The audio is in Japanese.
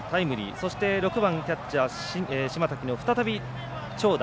そして、６番キャッチャー島瀧の再び長打。